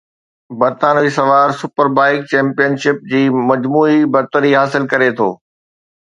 برطانوي سوار super bike championship جي مجموعي برتري حاصل ڪري ٿو